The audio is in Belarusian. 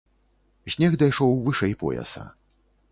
Снег дайшоў вышэй пояса.